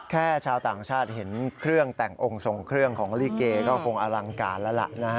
ชาวต่างชาติเห็นเครื่องแต่งองค์ทรงเครื่องของลิเกก็คงอลังการแล้วล่ะนะฮะ